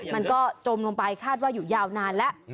มันก็จมลงไปคาดว่าอยู่ยาวนานแล้ว